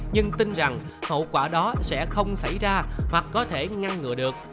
nhưng tin rằng hậu quả đó sẽ không xảy ra hoặc có thể ngăn ngừa được